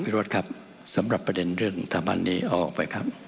พี่รวชครับสำหรับประเด็นเรื่องทางบันนี้เอาออกไปครับ